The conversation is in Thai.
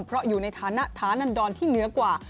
เพราะอยู่ในฐานะฐานันดรที่เหนือกว่า